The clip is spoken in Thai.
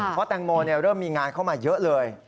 เพราะแตงโมเริ่มมีงานเข้ามาเยอะเลย